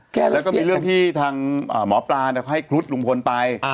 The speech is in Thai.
แล้วก็มีเรื่องที่ทางหมอปลาให้ครุฑลุงพลไป